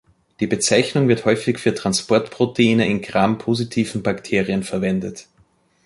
Die Bezeichnung wird häufig für Transportproteine in gram-positiven Bakterien verwendet.